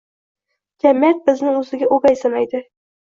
Jamiyat bizni o‘ziga o‘gay sanaydi